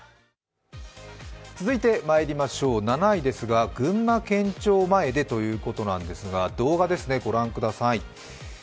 続いて７位ですが群馬県庁前でということですが動画ですね、ご覧ください。